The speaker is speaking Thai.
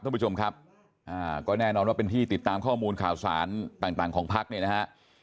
ท่านผู้ชมครับก็แน่นอนว่าเป็นที่ติดตามข้อมูลข่าวสารต่างของพักเนี่ยนะฮะ